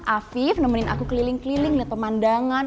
afif nemenin aku keliling keliling lihat pemandangan